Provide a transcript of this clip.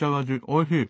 おいしい。